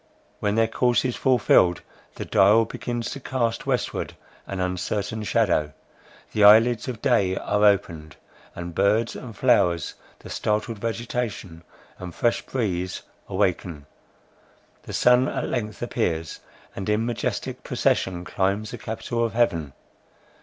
When their course is fulfilled, the dial begins to cast westward an uncertain shadow; the eye lids of day are opened, and birds and flowers, the startled vegetation, and fresh breeze awaken; the sun at length appears, and in majestic procession climbs the capitol of heaven.